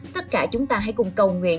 tất cả chúng ta hãy cùng cầu nguyện